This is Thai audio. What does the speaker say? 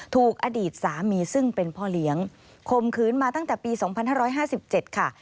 ถูกอดีตสามีซึ่งเป็นพ่อเลี้ยงข่มขืนมาตั้งแต่ปี๒๕๕๗ค่ะ